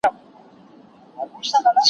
د پاچا يې د جامو كړل صفتونه